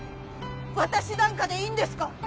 私なんかでいいんですか？